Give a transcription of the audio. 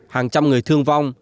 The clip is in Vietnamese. hàng trăm người thương vong